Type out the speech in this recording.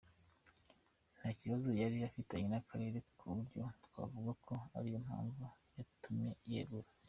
Nta bibazo yari afitanye n’akarere ku buryo twavuga ko ariyo mpamvu yatumye yegura.